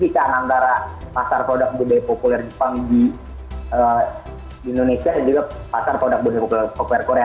jadi ini sih kan antara pasar produk budaya populer jepang di indonesia dan juga pasar produk budaya populer korea